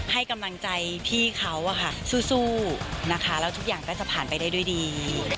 ให้กำลังใจพี่เขาสู้นะคะแล้วทุกอย่างก็จะผ่านไปได้ด้วยดี